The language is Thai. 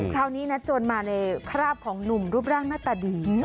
คราวนี้นะจนมาในคราบของหนุ่มรูปร่างหน้าตาดี